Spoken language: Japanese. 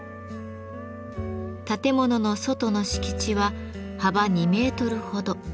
建物の外の敷地は幅２メートルほど。